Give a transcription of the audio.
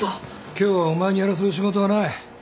今日はお前にやらせる仕事はない。